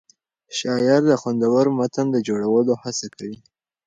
شاعر د خوندور متن جوړولو هڅه کوي.